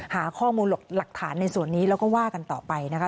หาข้อมูลหลักฐานในส่วนนี้แล้วก็ว่ากันต่อไปนะคะ